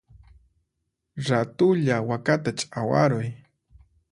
Ratulla wakata chawaruy!